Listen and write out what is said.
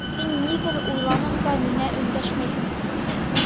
Һин ниҙер уйланың да миңә өндәшмәйһең...